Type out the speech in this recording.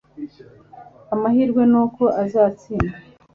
Amahirwe nuko azatsinda